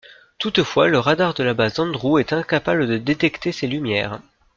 Toutefois, le radar de la base d'Andrew est incapable de détecter ces lumières.